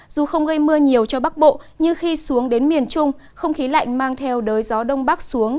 dù không gây mưa nhiều cho bắc bộ nhưng khi xuống đến miền trung không khí lạnh mang theo đới gió đông bắc xuống